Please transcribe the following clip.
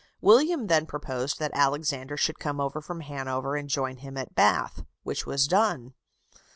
William then proposed that Alexander should come over from Hanover and join him at Bath, which was done.